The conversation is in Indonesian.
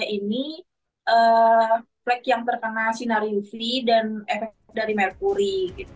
ini flag yang terkena sinar uv dan efek dari merkuri